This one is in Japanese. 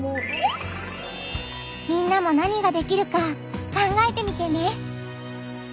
みんなも何ができるか考えてみてね！